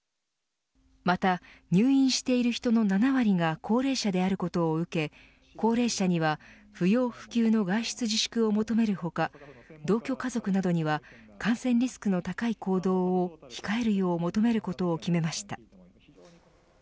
また、入院している人の７割が高齢者であることを受け高齢者には不要不急の外出自粛を求める他同居家族などには感染リスクの高い行動を控えるよう求めることを決めました。